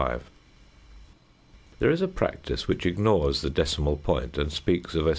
There is a practice which ignores the decimal point and speaks of a sp.